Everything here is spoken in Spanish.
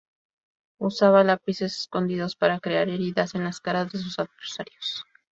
Usaba lápices escondidos para crear heridas en las caras de sus adversarios.